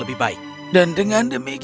dan diantara itu kulajaranku selesaiulous